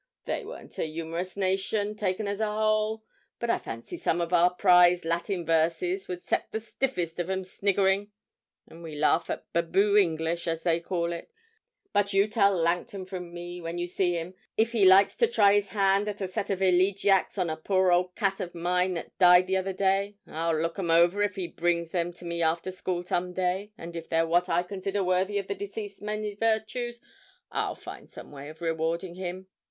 They weren't a yumorous nation, taken as a whole; but I fancy some of our prize Latin verses would set the stiffest of 'em sniggering. And we laugh at "Baboo English," as they call it! But you tell Langton from me, when you see him, that if he likes to try his hand at a set of elegiacs on a poor old cat of mine that died the other day, I'll look 'em over if he brings them to me after school some day, and if they're what I consider worthy of the deceased's many virtues, I'll find some way of rewarding him.